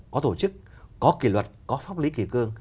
có tổ chức có kỷ luật có pháp lý kỳ cương